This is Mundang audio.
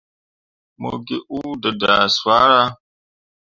Mo gi huu dǝdah swara.